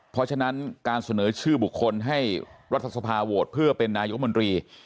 เพราะฉะนั้นการเสนอชื่อบุคคลให้รัฐสภาโหวตเพื่อเป็นนายกมนตรี